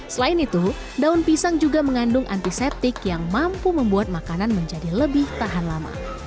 selain itu daun pisang juga mengandung antiseptik yang mampu membuat makanan menjadi lebih tahan lama